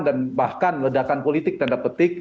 dan bahkan ledakan politik tanda petik